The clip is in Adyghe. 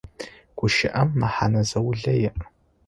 Гущыӏэм мэхьэнэ заулэ иӏ.